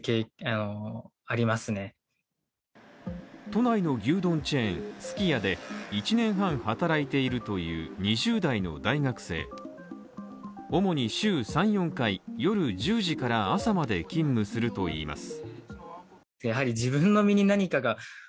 都内の牛丼チェーンすき家で１年半働いているという２０代の大学生主に週三、四回、夜１０時から朝まで勤務するといいます